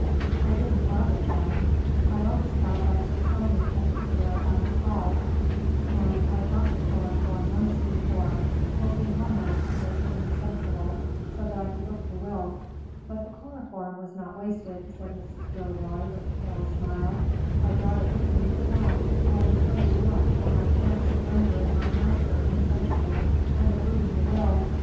I didn't buy it then. I always thought that Sir Simon kept his will at the Hall, and I bought the chloroform months before, hoping one night to make him insensible, so that I could look at the will. But the chloroform was not wasted," said Mrs. Gilroy, with a pale smile. "I brought it with me to town always ready to watch for my chance of rendering my master insensible and of reading the will.